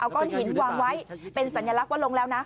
ก้อนหินวางไว้เป็นสัญลักษณ์ว่าลงแล้วนะ